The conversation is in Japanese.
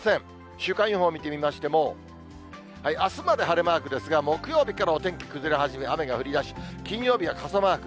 週間予報を見てみましても、あすまで晴れマークですが、木曜日からお天気崩れ始め、雨が降りだし、金曜日は傘マーク。